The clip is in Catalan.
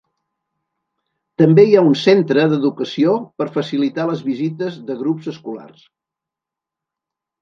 També hi ha un centre d'educació per facilitar les visites de grups escolars.